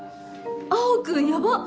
青君ヤバっ！